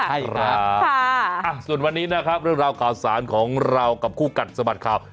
ใช่ครับส่วนวันนี้นะครับเรื่องราวข่าวสารของเรากับคู่กัดสะบัดข่าว